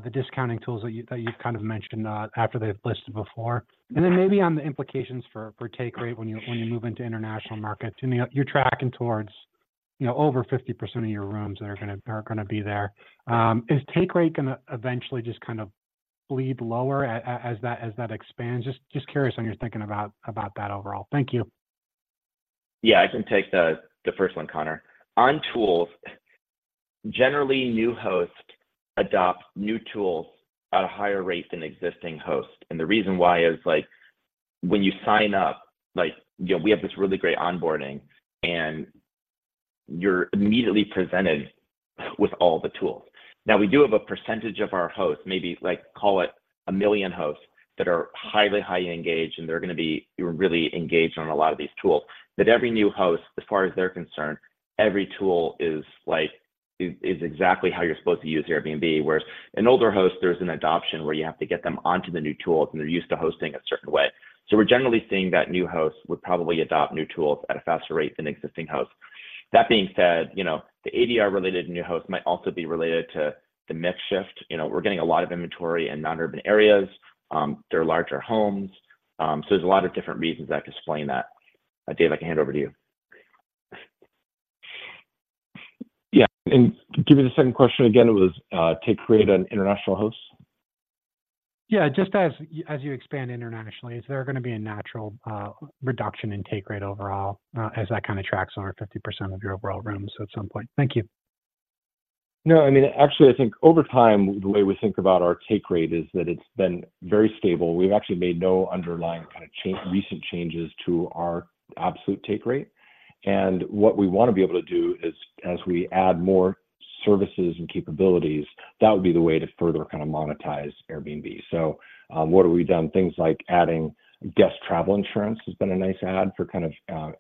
the discounting tools that you've kind of mentioned after they've listed before? And then maybe on the implications for take rate when you move into international markets, I mean, you're tracking towards, you know, over 50% of your rooms that are gonna be there. Is take rate gonna eventually just kind of bleed lower as that expands? Just curious on your thinking about that overall. Thank you. Yeah, I can take the first one, Conor. On tools, generally, new hosts adopt new tools at a higher rate than existing hosts. And the reason why is, like, when you sign up, like, you know, we have this really great onboarding, and you're immediately presented with all the tools. Now, we do have a percentage of our hosts, maybe like, call it 1 million hosts, that are highly engaged, and they're gonna be really engaged on a lot of these tools. But every new host, as far as they're concerned, every tool is like, is exactly how you're supposed to use Airbnb. Whereas an older host, there's an adoption where you have to get them onto the new tools, and they're used to hosting a certain way. So we're generally seeing that new hosts would probably adopt new tools at a faster rate than existing hosts. That being said, you know, the ADR-related new hosts might also be related to the mix shift. You know, we're getting a lot of inventory in non-urban areas. They're larger homes, so there's a lot of different reasons that explain that. But Dave, I can hand over to you. Yeah, and give me the second question again. It was, take rate on international hosts?... Yeah, just as you expand internationally, is there gonna be a natural reduction in take rate overall, as that kind of tracks on our 50% of your overall rooms at some point? Thank you. No, I mean, actually, I think over time, the way we think about our take rate is that it's been very stable. We've actually made no underlying kind of recent changes to our absolute take rate. And what we wanna be able to do is, as we add more services and capabilities, that would be the way to further kind of monetize Airbnb. So, what have we done? Things like adding guest travel insurance has been a nice add for kind of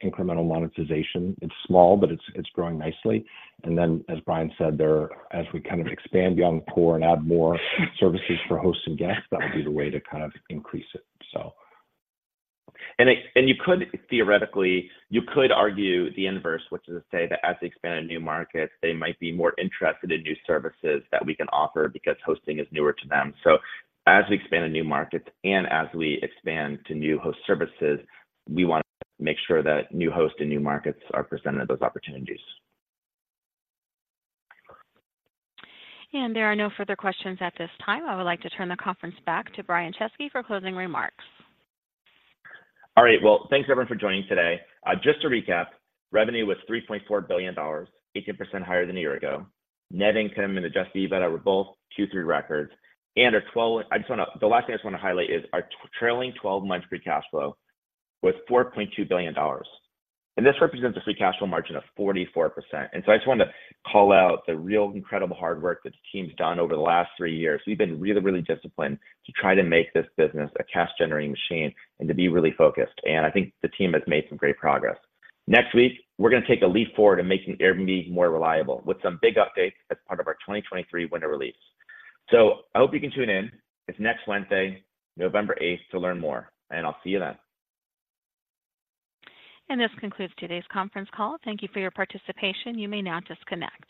incremental monetization. It's small, but it's growing nicely. And then, as Brian said, there are, as we kind of expand beyond core and add more services for hosts and guests, that'll be the way to kind of increase it, so. And you could, theoretically, you could argue the inverse, which is to say that as they expand in new markets, they might be more interested in new services that we can offer because hosting is newer to them. So as we expand to new markets and as we expand to new host services, we want to make sure that new hosts and new markets are presented those opportunities. There are no further questions at this time. I would like to turn the conference back to Brian Chesky for closing remarks. All right. Well, thanks, everyone, for joining today. Just to recap, revenue was $3.4 billion, 18% higher than a year ago. Net income and adjusted EBITDA were both Q3 records. And the last thing I just want to highlight is our trailing twelve-month free cash flow was $4.2 billion, and this represents a free cash flow margin of 44%. And so I just wanted to call out the real incredible hard work that the team's done over the last three years. We've been really, really disciplined to try to make this business a cash-generating machine and to be really focused, and I think the team has made some great progress. Next week, we're gonna take a leap forward in making Airbnb more reliable, with some big updates as part of our 2023 Winter Release. I hope you can tune in. It's next Wednesday, November eighth, to learn more, and I'll see you then. This concludes today's conference call. Thank you for your participation. You may now disconnect.